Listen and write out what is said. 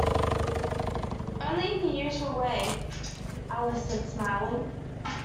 ‘Only in the usual way,’ Alice said, smiling.